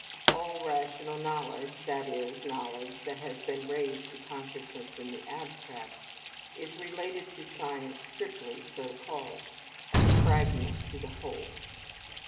All rational knowledge, that is, knowledge that has been raised to consciousness in the abstract, is related to science strictly so called, as a fragment to the whole.